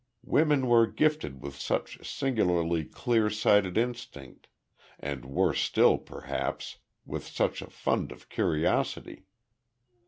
Women were gifted with such singularly clear sighted instinct and, worse still, perhaps with such a fund of curiosity.